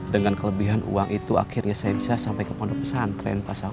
dengan kelebihan uang itu akhirnya saya bisa sampai ke pondok pesantren